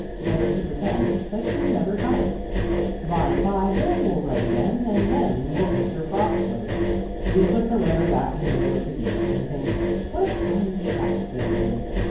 Better to pretend that we never got it. By and by Bill will write again and then we will answer promptly. We put the letter back in the middle of the heap and think what a fine chap Bill is.